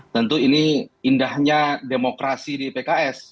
tentu ini indahnya demokrasi di pks